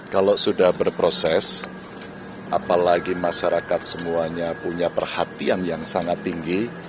kalau sudah berproses apalagi masyarakat semuanya punya perhatian yang sangat tinggi